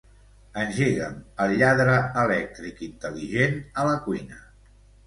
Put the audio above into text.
Engega'm el lladre elèctric intel·ligent a la cuina.